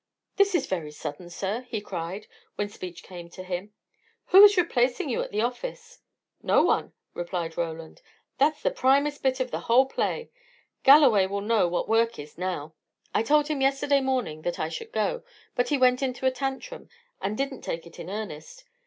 "This is very sudden, sir!" he cried, when speech came to him. "Who is replacing you at the office?" "No one," replied Roland. "That's the primest bit in the whole play. Galloway will know what work is, now. I told him yesterday morning that I should go, but he went into a tantrum, and didn't take it in earnest.